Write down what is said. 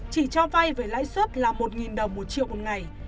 chỉ cho vay với lãi suất là một đồng một triệu một ngày